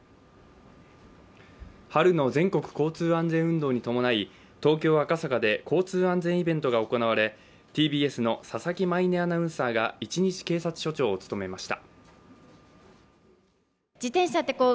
春の全国交通安全運動に伴い、東京・赤坂で交通安全イベントが行われＴＢＳの佐々木舞音アナウンサーが一日警察署長を務めました。